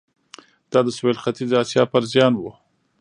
دا د سوېل ختیځې اسیا پر زیان و.